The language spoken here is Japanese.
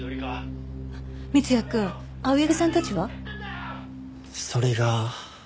三ツ矢くん青柳さんたちは？それが。